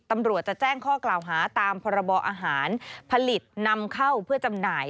ตำรวจจะแจ้งข้อกล่าวหาตามพรบอาหารผลิตนำเข้าเพื่อจำหน่าย